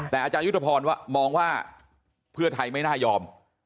แต่อาจารยุทธพรมองว่าเพื่อไทยไม่น่ายอม